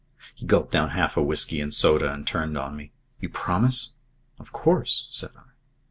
He gulped down half a whisky and soda and turned on me. "You promise?" "Of course," said I.